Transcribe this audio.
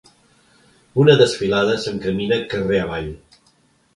Una desfilada s'encamina carrer avall.